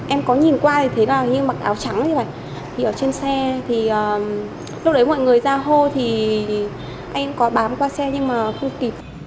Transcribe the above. em có nhìn qua thì thấy là như mặc áo trắng như vậy thì ở trên xe thì lúc đấy mọi người ra hô thì anh ấy có bám qua xe nhưng mà không kịp